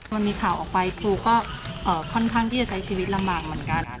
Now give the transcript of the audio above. มันมีข่าวออกไปครูก็ค่อนข้างที่จะใช้ชีวิตลำบากเหมือนกัน